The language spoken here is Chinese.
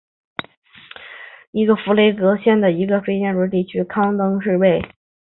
康登是位于美国加利福尼亚州弗雷斯诺县的一个非建制地区。